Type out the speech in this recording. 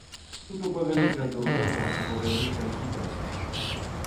Тут або вялікая дурнота, або вялікая хітрасць.